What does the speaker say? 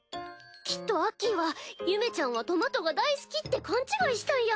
きっとアッキーはゆめちゃんはトマトが大好きって勘違いしたんや。